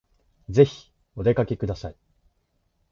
ぜひお出かけください